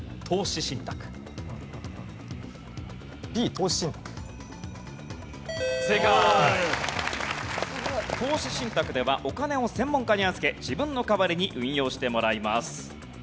投資信託ではお金を専門家に預け自分の代わりに運用してもらいます。